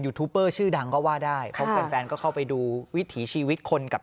ทูปเปอร์ชื่อดังก็ว่าได้เพราะแฟนแฟนก็เข้าไปดูวิถีชีวิตคนกับ